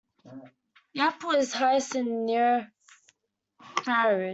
The output is highest in the near infrared.